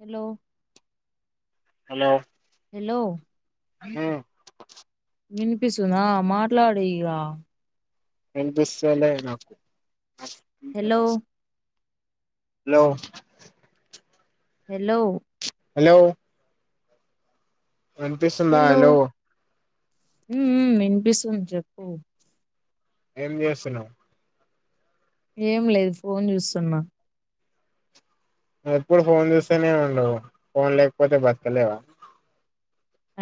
Hello hello hello ఉమ్ వినిపిస్తుందా మాట్లాడు ఇగ వినిపిస్తలే నాకు నా స్పీకర్ హలో అసలు హలో హలో హలో వినిపిస్తుందా హలో ఉ ఉమ్ వినిపిస్తుంది చెప్పు ఏం చేస్తున్నావు ఏం లేదు ఫోన్ చూస్తున్నా ఎప్పుడు ఫోన్ చూస్తూనే ఉండు ఫోన్ లేకపోతే బతకలేవా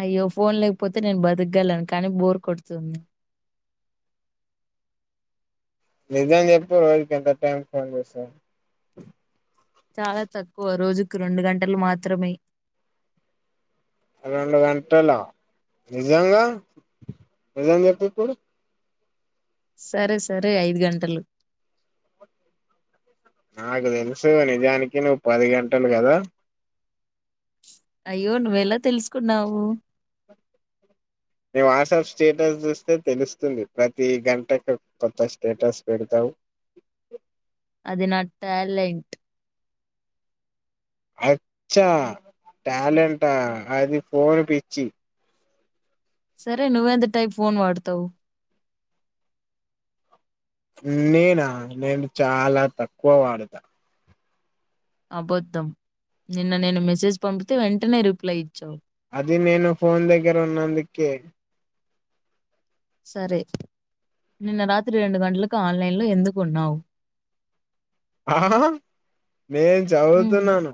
అయ్యో ఫోన్ లేకపోతే నేను బతుకగలను కానీ బోర్ కొడుతుంది నిజం చెప్పు రోజుకి ఎంత టైమ్ స్పెండ్ చేస్తావు చాలా తక్కువ రోజుకు రెండు గంటలు మాత్రమే రెండు గంటలా నిజంగా నిజం చెప్పు ఇప్పుడు సరే సరే ఐదు గంటలు నాకు తెలుసు నిజానికి నువ్వు పది గంటలు కదా అయ్యో నువ్వెలా తెలుసుకున్నావు నీ వాట్సాప్ స్టేటస్ చూస్తే తెలుస్తుంది ప్రతి గంటకి ఒక కొత్త స్టేటస్ పెడతావ్ [unintelligible] అది నా టాలెంట్ అచ్చా టాలెంటా అది ఫోన్ పిచ్చి, సరే నువ్వేంత టై ఫోన్ వాడతావు. నేనా నేను చాలా తక్కువ వాడత అబద్ధం నిన్న నేను మెసేజ్ పంపితే వెంటనే రిప్లై ఇచ్చావు, అది నేను ఫోన్ దగ్గర ఉన్నందుకే సరే నిన్న రాత్రి రెండు గంటలకు ఆన్లైన్లో ఎందుకున్నావు ఆ నేను చదువుతున్నాను,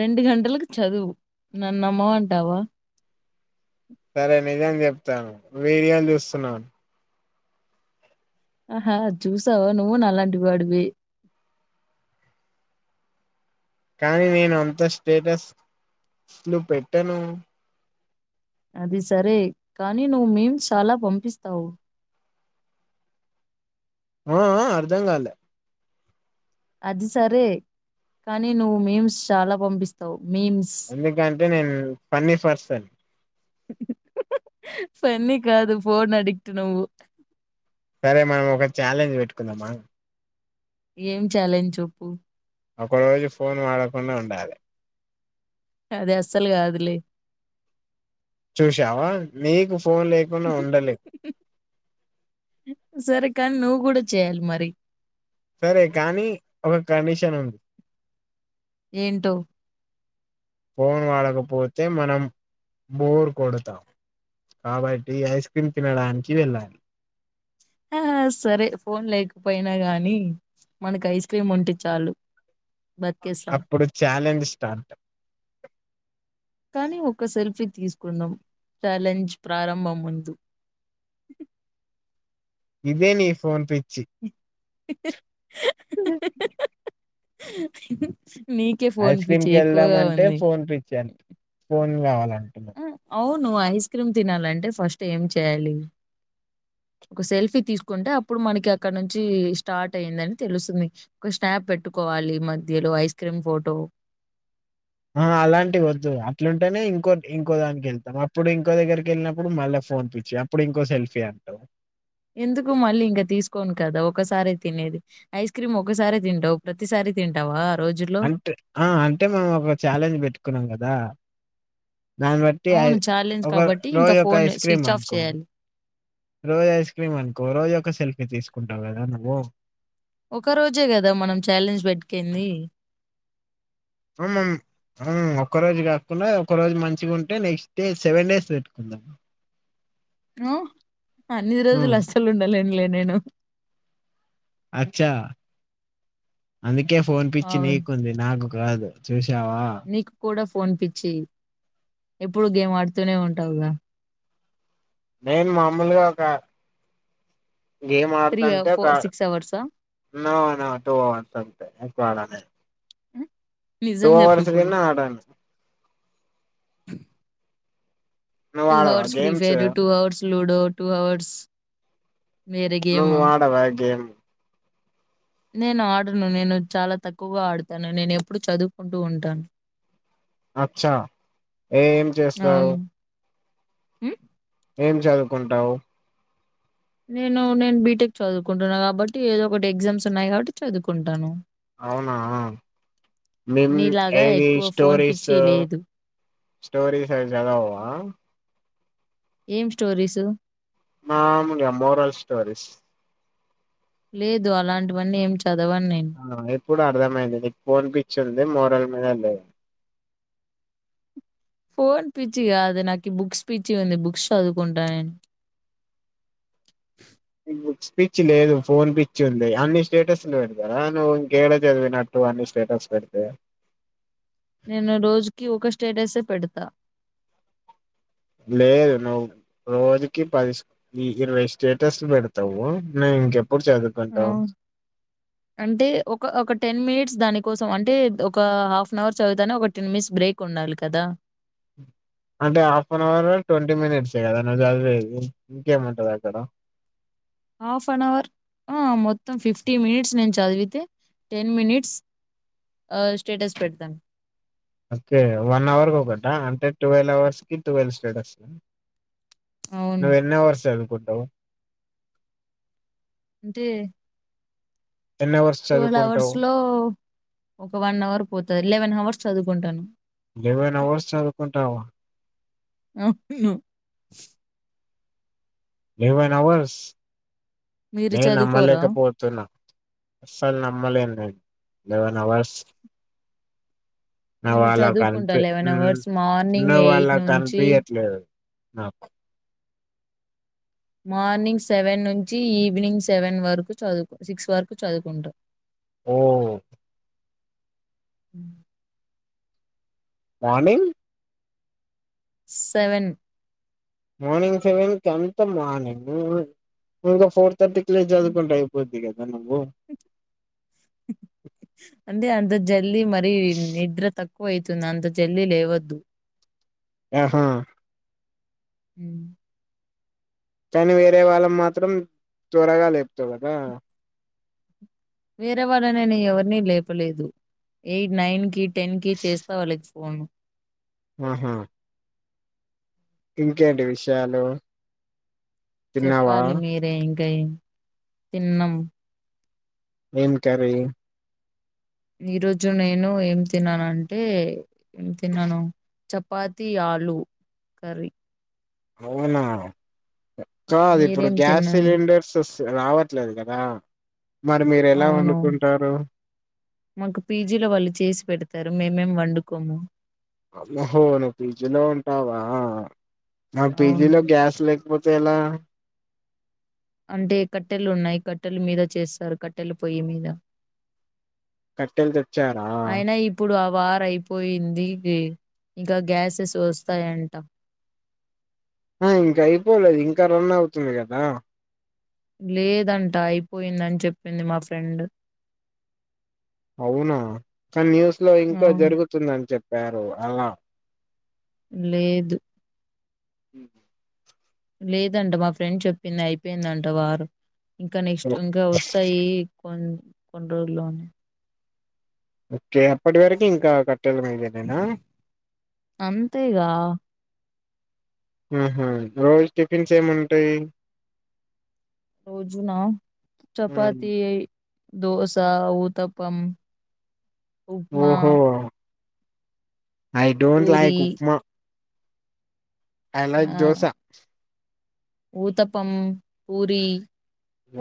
రెండు గంటలకు చదువు నన్నమ్మ అంటావా సరే నిజం చెప్తాను వీడియోలు చూస్తున్నాను. ఆహా చూసావ నువ్వు అల్లాంటి వాడివి కానీ నేను అంత స్టేటస్లు పెట్టాను, అది సరే కానీ నువ్వు మేమ్స్ చాలా పంపిస్తావు. [unintelligible] ఆ అ అర్ధం కాలే అది సరే కానీ నువ్వు మేమ్స్ చాలా పంపిస్తావు. మీమ్స్. ఎందుకంటే నేను ఫన్నీ పర్సన్ పన్న కాదు పోన్ అడిక్ట్ ను సరే మనం ఒక ఛాలెంజ్ పెట్టుకుందాంమా ఏం ఛాలెంజ్ చెప్పు ఒక రోజు ఫోన్ వాడకుండా ఉండాలి అది అస్సలు కాదులే చూసావా మీకు ఫోన్ లేకుండా ఉండలేదు సరే కానీ నువ్వు కూడా చేయాలి మరి సరే కానీ ఒక కండిషన్ ఏంటో ఫోన్ వాడకపోతే మనం బోర్ కొడతాం కాబట్టి ఐస్ క్రీమ్ తినడానికి వెళ్ళాలి ఆ సరే ఫోన్ లేకపోయినా గానీ మనకి ఐస్ క్రీమ్ ఉంటే చాలు బతికేస్తాం అప్పుడు ఛాలెంజ్ స్టార్ట్ కానీ ఒక్క సిల్ తీసుకుందాం చాలెంజ్ ప్రారంభం ముందు ఇదే నీ ఫోన్ పచ్చి [unintelligible] ఫోన్ ఐస్ క్రీమ్ పిచ్చి కి ఎక్కువగా వెళ్దామ అంటే ఉంది ఫోన్ పిచ్చి ఫోన్ కావాలం ఆ అవును్ ఐస్ క్రీమ్ తినాలంటే ఫస్ట్ ఏం చేయాలి ఒక సెల్ఫీ తీసుకుంటే అప్పుడు మనకి అక్కడ నుంచి స్టార్ట్ అయిిందని తెలుస్తుంది, ఒక స్నాప్ పెట్టుకోవాలి వాళ్ళు ఇ మధ్యలో ఐస్ క్రీమ్ ఫోటో ఆ అలాంటివి వద్దు అట్లుంటేనే ఇంకో ఇంకో దానికి వెళ్తాం అప్పుడు ఇంకో దగ్గరికి వెళ్ళినప్పుడు మళ్ళా ఫోన్పచ్చి అప్పుడు ఇంకో సెల్ఫీ అంటావు ఎందుకు మళ్ళీ ఇంకా తీసుకోను కదా ఒకసార తినేది ఐస్ క్రీమ్ ఒకసారిే తింటవు ప్రతిసారి తింటవా అంటే ఆ అంటే మేము ఒక ఛాలెంజ్ పెట్టుకున్నాం కదా దాన్ని బట్టి ఐ అవును ఛాలెంజ్ ఒక కాబట్టి ఇంకా రోజు ఒక phone ice cream switch off అనుకో చేయాలి. రోజు ఐస్ క్రీమ్ అనుకో రోజు ఒక సెల్ఫీ తీసుకుంటావు, కదా నువ్వు ఒక రోజే కదా మనం ఛాలెంజ్ పేట్టుకుంది. ఒక్క రోజు కాకుండా ఒక రోజు మంచిగా ఉంటే నెక్స్ట్ డే సెవెన్ డేస్ పెట్టుకుందాం, [unintelligible] ఉ అన్ని రోజులు ఉమ్, అసలు ఉండ లెన్లే నేను అచ్చా అందుకే ఫోన్ పిచ్చి అవును. నీకుంది, నాకు కాదు. చూస్ నీకు కూడా ఫోన్ పిచ్చి, ఎప్పుడు గేమ్ ఆడుతూనే ఉ టావుగా నేన్ మామూలుగా ఒక గేమ్ అ అడ్తంటే ఫో ఒక, అవర్సా? నో నో టూ అవర్స్ అంతే. వాలదే హ్మ్. టూ నిజం జెప్పు అవర్స్ ఇప్పుడు. గిన ఆడన్ నువ్వు టూ ఆడవా hours free games fire, two hours ludo, two hours వేరే నువ్ గేము. ఆడవ గేమ్? నేను ఆడను, నేను చాలా తక్కువగా ఆడతాను. నేను ఎప్పుడూ చదువుకుంటూ ఉంటాన్. అచ్చా ఏం చేస్తవ్? ఉ ఏం చదువుకుంటవ్? నేను నేను బీటెక్ చదువుకుంటున్నా కాబట్టి ఏదో ఒకటి ఎగ్జామ్స్ ఉన్నాయి కాబట్టి చదువుకుంటాను. అవునా, మేం నీలాగా ఏది ఎక్కువ ఫోన్ స్టోరీస్ పిచ్చి లేదు. స్టోరీస్ అవి చదవా? ఏం స్టోరీసు? మాములుగ మోరల్ స్టోరీస్ లేదు అలాంటివన్నీ ఏం చ్ ఆ ఇప్పుడు అర్థమైంది నీక్ ఫోన్ పిచ్చి ఉంది. మోరల్ లేదని ఫోన్ పిచ్చి కాదు, నాకి బుక్స్ పిచ్చి ఉంది. బుక్స్ చదువుకుంటా నేన్. నీక్ బుక్స్ పిచ్చి లేదు, ఫోన్ పిచ్చి ఉంది. అన్ని స్టేటస్లు పెడతారా, నువ్వు ఇంకేడ చదివినట్టు? నువ్వన్నీ స్టేటస్ పెడితే నేను రోజుకి ఒక స్టేటసే పెడతా. లేదు నువ్వు రోజుకి పది స్ ఇరవై స్టేటస్లు పెడతవు. నువ్ ఇంక ఆ అంటే ఒక ఒకట్ టెన్ మినిట్స్ దానికోసం, అంటే ఒక హాఫ్ అన్ అవర్ చదువుతానే ఒక టెన్ మినిట్స్ బ్రేక్ ఉండాలి కదా. అంటే హాఫ్ అన్ అవర్ ట్వంటీ మినిట్సే కదా నువ్ చదివేది, ఇంకేముంటది అక్కడ హాఫ్ అన్ అవర్, ఆ మొత్తం ఫిఫ్టీ మినిట్స్ నేను చదివితే టెన్ మినిట్స్ ఆ స్టేటస్ పెడతాన్. ఒకే వన్ అవర్ కొకటా, అంటే టువెల్వ్ అవర్స్ కి టువెల్ స్టేటస్. అవును నువ్వ ఎన్ని అవర్స్ చదువుకుంటవ్? అంటే ఎన్ని అవర్స్ టువల్ హవర్స్ చదువుకుంటావు లో ఒక వన్ అవర్ పోతది, లెవెన్ అవర్స్ చదువుకుంటాను. లెవెన్ అవర్స్ చదువుకుంటావా? అవును లెవెన్ అవర్స్ మీరు నేన్ చదువుకోరా? నమ్మలేకపోతున్నా, అస్సలు నమ్మలేన్ నేన్. లవెన్ అవర్స్ నేను నవాలా చదువుకుంటా కన్పి, లెవెన్ అవర్స్ మార్నింగ్ నువ్ ఎయిట్ అలా నుంచి కనిపియట్లేద్. ఆ ప్ మార్నింగ్ సెవెన్ నుంచి ఈవినింగ్ సెవెన్ వరకు చదువు సిక్స్ వరకు చదువుకుంట. ఓ ఉ మార్నింగ్ సెవెన్ మార్నింగ్ సెవెన్ కి అంత మార్నింగ్ ఇంగా ఫోర్ తర్టీకి లేచి చదువుకుంటె అయ్యిపోద్ది కదా నువ్వు అందే అంత జల్లి మరీ నిద్ర తక్ తక్కువతుంది అంత జల్ది లేవద్దు ఆహా ఉహ్ కానీ వేరే వాళ్ళం మాత్రం త్వరగా లేపుతావు కదా వేరే వాళ్ళని నేన్ ఎవరినీ లేపలేదు ఎయిట్ నైన్ కి టెన్ కి చేస్తా వాళ్ళ కి ఫో పోను ఆహా ఇంకేంటి విషయాలు తిన్నావా చెప్పాలి మీరే ఇంకెం తిన్నం ఏం కర్రీ ఈ రోజు నేను ఏం తిన్నాను అంటే ఏం తిన్నాను చపాతి ఆలు కర్రీ అవునా కాదు ఇప్పుడు మీరేం గ్యాస్ తిన్నారు సిలిండర్స్ వస్ తు రావట్లేదు కదా మరి మీరు ఎలా అవును వండుకుంటారు మాకు పీజీలో వాళ్ళు చేసి పెడతారు మేము మేమ్ వండుకోము అవున్ అహో నువ్వు పీజీలో ఉంటావా మరి అవును. పీజీలో గ్యాస్ లేక్ లేకపోతే ఎలా అంటే కట్టెలు ఉన్నాయి కట్టెలు మీద చేస్తారు కట్టెలు పొయ్యి మీద కట్టెలు తెచ్చారా అయినా ఇప్పుడు ఆ వార్ అయిపోయింది ఇంగా గ్యాసెస్ వస్తాయంట ఆ ఇంకా అయిపోలేదు ఇంకా రన్ అవుతుంది కదా లేదంట అయిపోయిందని చెప్పింది మా ఫ్రెండ్ అవునా కానీ న్యూస్ లో ఇంకా అవును. జరుగుతుందని చెప్పారు అలా లేదు ఉహు లేదంట మా ఫ్రెండ్ చెప్పింది అయిపోయిందంట వారు ఇంకా నెక్స్ట్ ఇంకా వస్తాయి. కొన్ని కొండ్రోజులు ఓకే అప్పటి వరకు ఇంకా కట్టెలు మిందేనేనా అంతేగా ఉహు రోజు టిఫిన్స్ ఏముంటాయి రోజునా మ్. చపాతి దోసా ఉతప్పం ఓహో I don't like puri upma I like dosa uttapam puri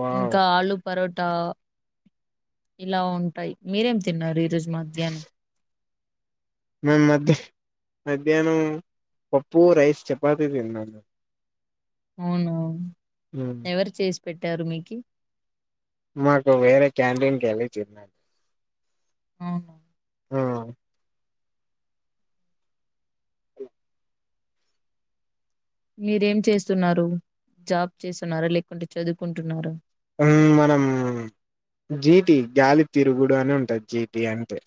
wow ఇంకా ఆలు పరోటా ఇలా ఉంటాయి మీరేం తిన్నారు ఈరోజు మధ్యాహ్నం మ మధ్య మధ్యాహ్నం పప్పు రైస్ చపాతీ తిన్నం మెమ్ అవునా ఎవరు చేసి పెట్టారు మీకి మాకి వేరే క్యాంటీన్ కి వెళ్ళి చెప్పినార్ అవును ఆహ్ అ మీరేం చేస్తున్నారు జాబ్ చేస్తున్నారా లేకుంటే చదువుకుంటున్నారా అన్ మనం జీటి గాలికి తిరుగుడు అని ఉంటాది జీటి అంటె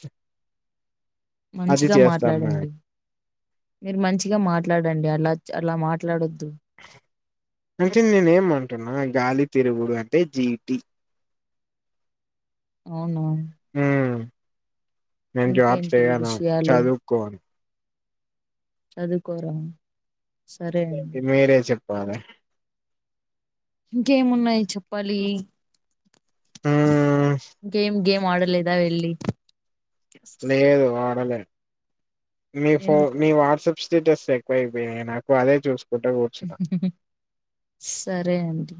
మంచిగా మనం మాట్లాడండి మీరు మంచిగా మాట్లాడండి అలా అలా మాట్లాడొద్దు. అయితే నేనేమంటున్నా గాలి తిరుగుడు అంటే జీటి. అవునా నేను జాబ్ ఇంకేంటి చేయను విషయాలు. చదువుకోను చదువుకోరా సరే ఇకేంటి అండి మీరే చెప్పాలె. ఇంకేమున్నయి చెప్పాలి గేమ్ గేమ్ మాడలేదా వెళ్ళి. లేదు ఆడలే మీ ఫో ఎందుకు మీ వాట్సప్ స్టేటస్ ఎక్కువపోయినయి నాకు అదే చూస్ సరే అండి.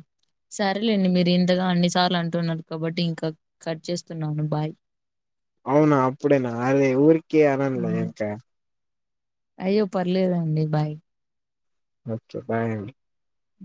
సరేలేండి మీరు ఇంతగా అన్నిసార్లు అంటున్నారు కాబట్టి ఇంకా కట్ చేస్తున్నాను బాయ్. అవునా అప్పుడేనా అరే ఊరికే అనన్లే ఉమ్. ఇంకా అయ్యో పర్లేదండి బాయ్. ఒకే బాయ్ అండి. అ